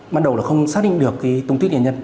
ban đầu là không xác định được cái thương tích của nạn nhân